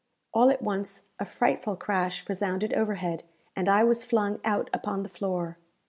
All at once a frightful crash resounded overhead, and I was flung out upon the floor.